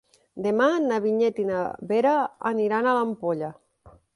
Demà na Vinyet i na Vera aniran a l'Ampolla.